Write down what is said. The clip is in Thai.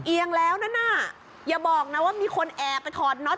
เอียงแล้วนะน่ะอย่าบอกนะว่ามีคนแอบจะถอดน็อต